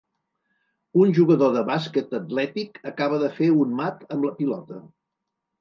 Un jugador de bàsquet atlètic acaba de fer un mat amb la pilota